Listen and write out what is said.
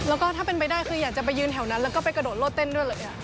แล้วก็ถ้าเป็นไปได้คืออยากจะไปยืนแถวนั้นแล้วก็ไปกระโดดโลดเต้นด้วยเลย